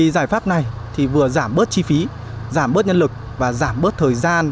giải pháp này vừa giảm bớt chi phí giảm bớt nhân lực và giảm bớt thời gian